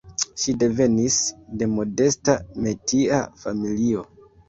Ŝi devenis de modesta metia familio.